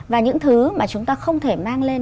và những thứ mà chúng ta không thể mang lên